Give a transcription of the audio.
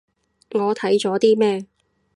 我睇咗啲咩